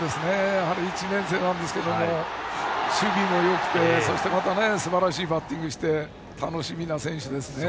１年生なんですけども守備もよくてすばらしいバッティングをして楽しみな選手ですね。